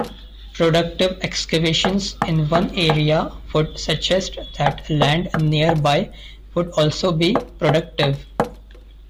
Productive excavations in one area would suggest that land nearby would also be productive.